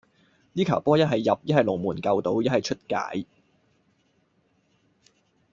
呢球波一係入,一係龍門救到,一係出界.